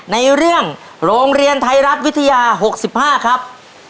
ในเรื่องโรงเรียนไทรรัฐวิทยาหกสิบห้าครับ